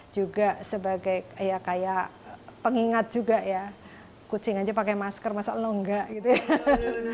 juga sebagai ya kayak pengingat juga ya kucing aja pakai masker masa lalu enggak gitu ya